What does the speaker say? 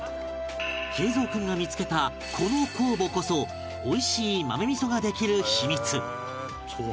敬蔵君が見つけたこの酵母こそ美味しい豆味ができる秘密